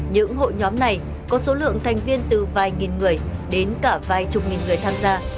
những hội nhóm này có số lượng thành viên từ vài nghìn người đến cả vài chục nghìn người tham gia